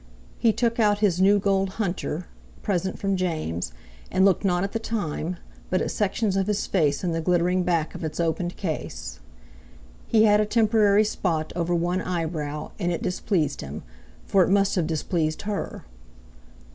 He took out his new gold "hunter"—present from James—and looked not at the time, but at sections of his face in the glittering back of its opened case. He had a temporary spot over one eyebrow, and it displeased him, for it must have displeased her.